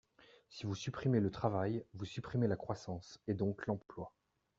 Si vous supprimez le travail, vous supprimez la croissance, et donc l’emploi.